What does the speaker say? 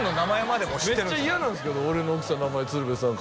めっちゃ嫌なんですけど俺の奥さんの名前鶴瓶さん